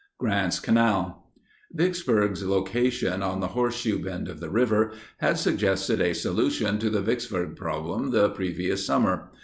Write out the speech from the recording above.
GRANT'S CANAL. Vicksburg's location on the horseshoe bend of the river had suggested a solution to the Vicksburg problem the previous summer.